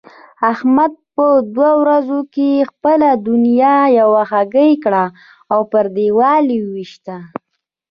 احمد په دوو ورځو کې خپله دونيا یوه هګۍکړ او پر دېوال يې وويشت.